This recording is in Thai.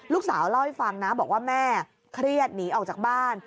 ลูกสาวเล่าให้ฟังนะบอกว่าแม่เครียดหนีออกจากบ้าน